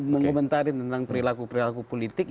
mengomentari tentang perilaku perilaku politik